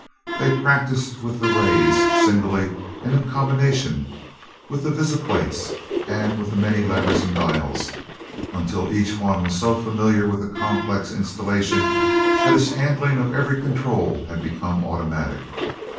They practiced with the rays, singly and in combination, with the visiplates, and with the many levers and dials, until each was so familiar with the complex installation that his handling of every control had become automatic.